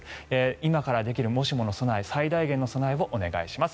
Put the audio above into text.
今からできるもしもの備え最大限の備えをお願いします。